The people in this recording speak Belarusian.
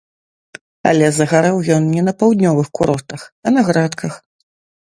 Але загарэў ён не на паўднёвых курортах, а на градках!